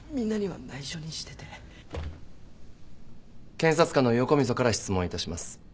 検察官の横溝から質問いたします。